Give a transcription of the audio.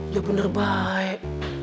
ya bener baik